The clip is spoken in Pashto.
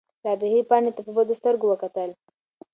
رابعې پاڼې ته په بدو سترګو وکتل.